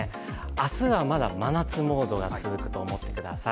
明日はまだ真夏モードが続くと思ってください